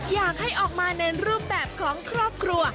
อยากให้ออกมาในรูปแบบของครอบครัว